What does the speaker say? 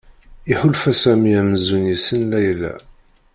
Iḥulfa Sami amzun yessen Layla.